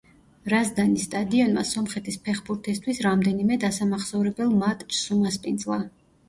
რაზდანის სტადიონმა სომხეთის ფეხბურთისთვის რამდენიმე დასამახსოვრებელ მატჩს უმასპინძლა.